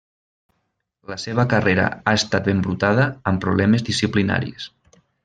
La seva carrera ha estat embrutada amb problemes disciplinaris.